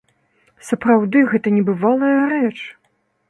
Сапраўды, гэта небывалая рэч!